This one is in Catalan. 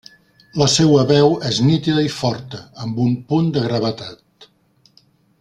La seua veu és nítida i forta, amb un punt de gravetat.